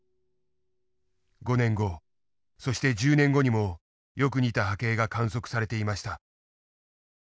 ５年後そして１０年後にもよく似た波形が観測されていました。